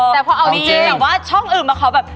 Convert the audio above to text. แต่พอเอาจริงแบบว่าช่องอื่นมาขอแบบ